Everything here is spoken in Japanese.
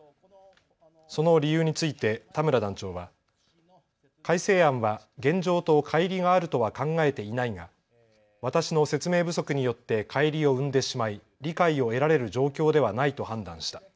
その理由について田村団長は改正案は現状とかい離があるとは考えていないが私の説明不足によってかい離を生んでしまい理解を得られる状況ではないと判断した。